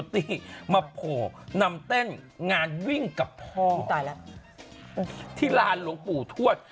ที่ร้านหลวงปู่ถวด